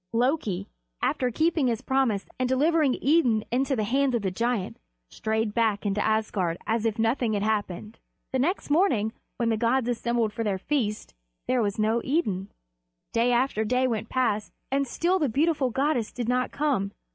Loki, after keeping his promise and delivering Idun into the hands of the giant, strayed back into Asgard as if nothing had happened. The next morning, when the gods assembled for their feast, there was no Idun. Day after day went past, and still the beautiful goddess did not come.